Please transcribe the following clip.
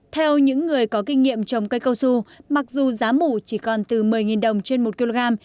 theo những người có kinh nghiệm trồng cây cao su mặc dù giá mủ chỉ còn từ một mươi đồng trên một kg